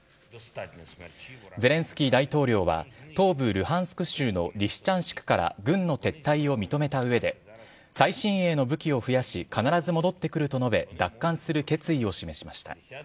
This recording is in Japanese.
ゼレンスキー大統領は、東部ルハンスク州のリシチャンシクから軍の撤退を認めたうえで、最新鋭の武器を増やし、必ず戻ってくると述べ奪還する決意を示しました。